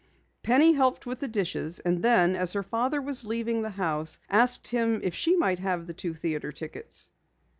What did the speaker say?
Penny helped with the dishes, and then as her father was leaving the house, asked him if she might have the two theatre tickets.